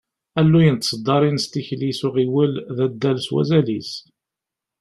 Alluy n tseddaṛin s tikli s uɣiwel, d addal s wazal-is.